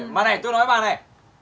mà này tôi nói bà này